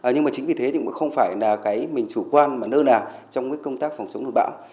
nhưng mà chính vì thế thì cũng không phải là mình chủ quan nơi nào trong công tác phòng chống lùi bão